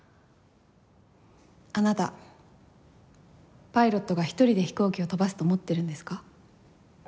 あなたパイロットが一人で飛行機を飛ばすと思ってるんですか？